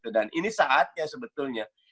dan ini saatnya sebetulnya